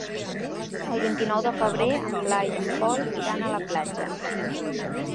El vint-i-nou de febrer en Blai i en Pol iran a la platja.